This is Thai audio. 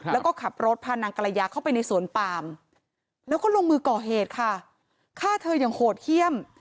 แล้วก็ขับรถพานางกรยาเข้าไปในสวนปามแล้วก็ลงมือก่อเหตุค่ะฆ่าเธออย่างโหดเยี่ยม